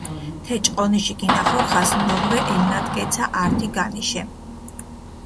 თე ჭყონიში გინახორხას ნოღვე ელნატკეცა ართი განიშე.